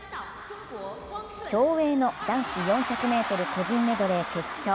競泳の男子４００ｍ個人メドレー決勝。